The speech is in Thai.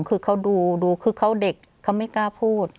คือเขาดูคือเขาเด็กเขาไม่กล้าพูด